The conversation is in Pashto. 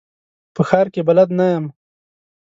په ښار کي بلد نه یم .